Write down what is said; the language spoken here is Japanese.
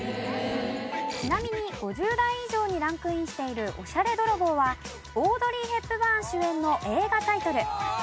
ちなみに５０代以上にランクインしている『おしゃれ泥棒』はオードリー・ヘプバーン主演の映画タイトル。